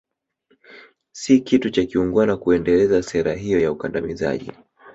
Si kitu cha kiungwana kuendeleza sera hiyo ya ukandamizaji